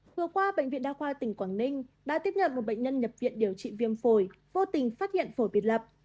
vừa qua bệnh viện đa khoa tỉnh quảng ninh đã tiếp nhận một bệnh nhân nhập viện điều trị viêm phổi vô tình phát hiện phổi biệt lập